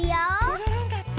おどるんだって！